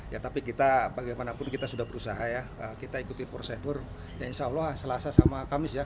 ya tapi kita bagaimanapun kita sudah berusaha ya kita ikuti prosedur ya insya allah selasa sama kamis ya